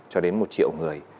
cho đến một triệu người